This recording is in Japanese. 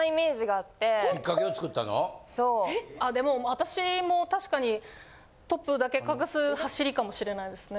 あでもあたしも確かにトップだけ隠す走りかもしれないですね。